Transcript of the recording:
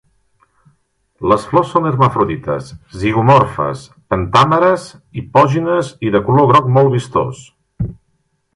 Les flors són hermafrodites, zigomorfes, pentàmeres, hipògines i de color groc molt vistós.